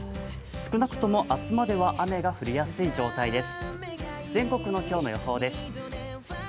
少なくとも明日までは雨が降りやすい状態です。